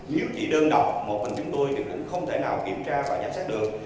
nếu chỉ đơn độc một mình chúng tôi thì cũng không thể nào kiểm tra và giám sát được